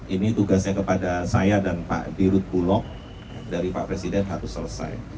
ini tugasnya kepada saya dan pak dirut bulog dari pak presiden harus selesai